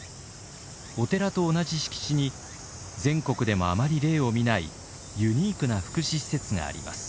お寺と同じ敷地に全国でもあまり例を見ないユニークな福祉施設があります。